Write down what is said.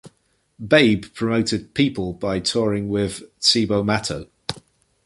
Babe promoted "People" by touring with Cibo Matto.